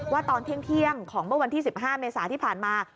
ตอนเที่ยงของเมื่อวันที่๑๕เมษาที่ผ่านมา